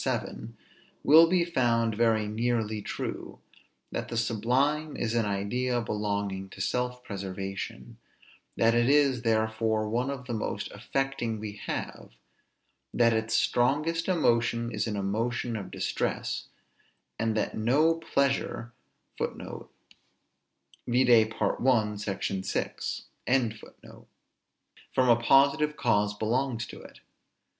7) will be found very nearly true; that the sublime is an idea belonging to self preservation; that it is, therefore, one of the most affecting we have; that its strongest emotion is an emotion of distress; and that no pleasure from a positive cause belongs to it.